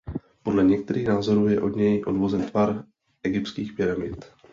Podle některých názorů je od něj odvozen tvar egyptských pyramid.